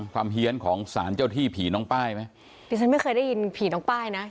เฮียนของสารเจ้าที่ผีน้องป้ายไหมดิฉันไม่เคยได้ยินผีน้องป้ายนะ